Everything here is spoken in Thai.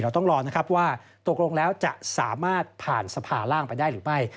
ต้องรอนะครับว่าตกลงแล้วจะสามารถผ่านสภาร่างไปได้หรือไม่